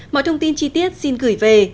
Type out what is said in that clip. mọi thông tin chi tiết xin gửi về